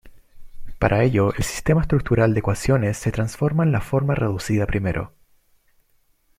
Para ello, el sistema estructural de ecuaciones se transforma en la forma reducida primero.